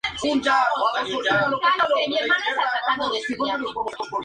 En su exterior, se encuentra el conjunto escultórico "Osa mayor" de Mathias Goeritz.